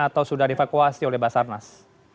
atau sudah dievakuasi oleh basarnas